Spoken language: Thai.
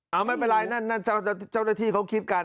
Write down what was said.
เอาไม่เป็นไรนั่นนั่นเจ้าเจ้าหน้าที่เขาคิดกันเออ